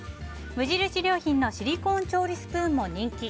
無印良品のシリコーン調理スプーンも人気。